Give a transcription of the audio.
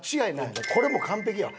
これもう完璧やわ！